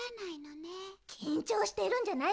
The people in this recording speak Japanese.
きんちょうしてるんじゃない？